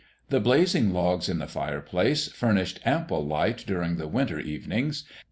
The blazing logs in the fire place furnished ample light during the winter evenings.